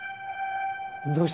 どうした？